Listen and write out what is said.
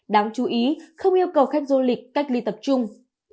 đáng chú ý không yêu cầu khách du lịch cách ly tập trung